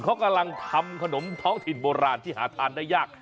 เขากำลังทำขนมท้องถิ่นโบราณที่หาทานได้ยาก